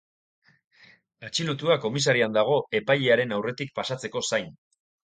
Atxilotua komisarian dago epailearen aurretik pasatzeko zain.